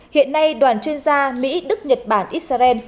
hiện nay đoàn chuyên gia mỹ đức nhật bản israel